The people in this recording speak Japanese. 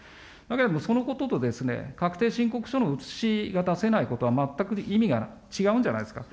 でもそのことと、確定申告書の写しが出せないことは、全く意味が違うんじゃないですか。